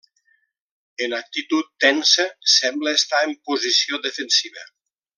En actitud tensa, sembla estar en posició defensiva.